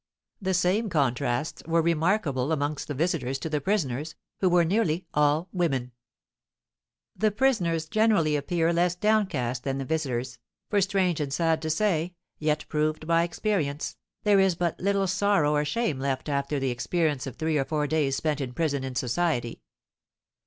The same contrasts were remarkable amongst the visitors to the prisoners, who were nearly all women. The prisoners generally appear less downcast than the visitors, for, strange and sad to say, yet proved by experience, there is but little sorrow or shame left after the experience of three or four days spent in prison in society.